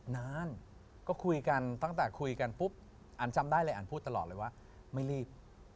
นานก็คุยกันตั้งแต่คุยกันปุ๊บอันจำได้เลยอันพูดตลอดเลยว่าไม่รีบ